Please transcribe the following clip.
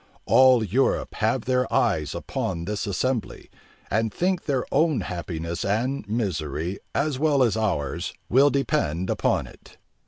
All Europe have their eyes upon this assembly, and think their own happiness and misery, as well as ours, will depend upon it.